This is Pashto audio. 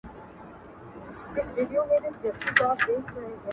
بله هېڅ لیدله نه شي په دا منځ کې